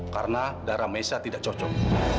karena darah mesa tidak cocok